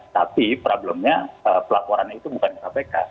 tapi problemnya pelaporannya itu bukan ke kpk